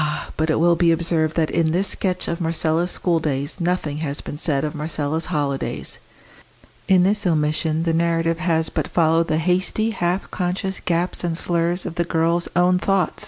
but it will be observed that in this sketch of Marcella's schooldays nothing has been said of Marcella's holidays. In this omission the narrative has but followed the hasty, half conscious gaps and slurs of the girl's own thought.